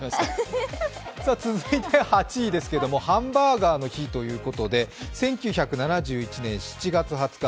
続いて８位ですけれども、ハンバーガーの日ということで１９７８年７月２０日